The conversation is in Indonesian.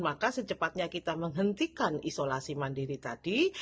maka secepatnya kita menghentikan isolasi mandiri tadi